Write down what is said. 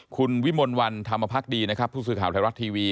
คุณวิมลวันธรรมพักดีนะครับผู้สื่อข่าวไทยรัฐทีวี